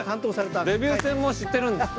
デビュー戦も知ってるんですね。